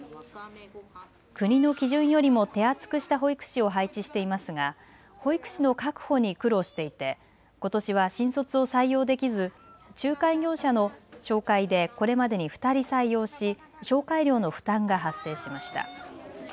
国の基準よりも手厚くした保育士を配置していますが保育士の確保に苦労していてことしは新卒を採用できず仲介業者の紹介でこれまでに２人採用し紹介料の負担が発生しました。